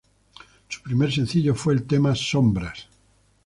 Su primer sencillo, fue el tema ""Sombras...